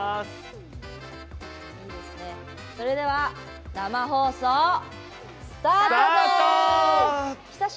それでは、生放送スタートです！